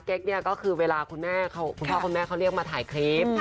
เนี่ยก็คือเวลาคุณพ่อคุณแม่เขาเรียกมาถ่ายคลิป